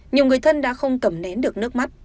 nhiều người thân đã không cầm nén được nước mắt